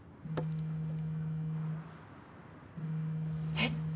えっ？